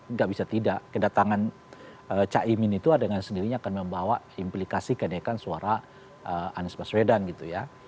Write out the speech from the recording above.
nggak bisa tidak kedatangan cak imin itu adanya sendiri akan membawa implikasi kenaikan suara anies baswedan gitu ya